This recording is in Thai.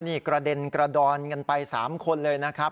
นี่กระเด็นกระดอนกันไป๓คนเลยนะครับ